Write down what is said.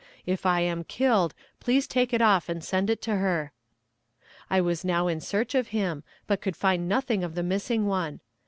If I am killed please take it off and send it to her." I was now in search of him, but could find nothing of the missing one.